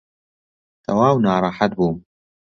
تەواو ناڕەحەت بووم.